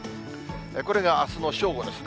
これがあすの正午ですね。